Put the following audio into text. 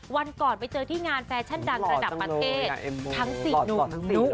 วันก่อนไปเจอที่งานแฟชั่นดังระดับประเทศทั้ง๔หนุ่ม